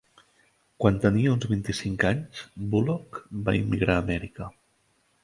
Quan tenia uns vint-i-cinc anys, Bullock va immigrar a Amèrica.